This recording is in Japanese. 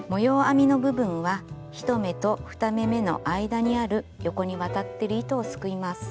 編みの部分は１目と２目めの間にある横に渡ってる糸をすくいます。